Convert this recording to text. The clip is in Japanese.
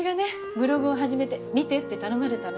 ブログを始めて見てって頼まれたのよ。